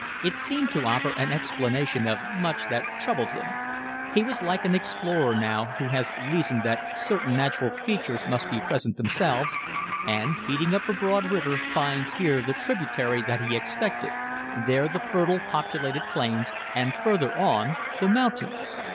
It seemed to offer an explanation of much that troubled him. He was like an explorer now who has reasoned that certain natural features must present themselves, and, beating up a broad river, finds here the tributary that he expected, there the fertile, populated plains, and further on the mountains.